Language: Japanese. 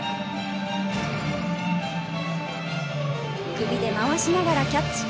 首で回しながらキャッチ。